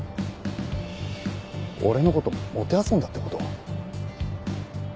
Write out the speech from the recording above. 俺のこともてあそんだってこと？